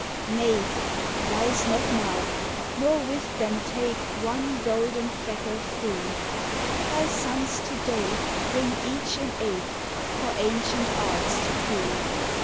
Nay, rise not now, nor with them take One golden freckled fool! Thy sons to day bring each an ache For ancient arts to cool.